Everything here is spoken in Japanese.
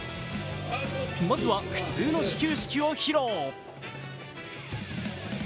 まずは普通の始球式を披露。